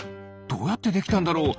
どうやってできたんだろう？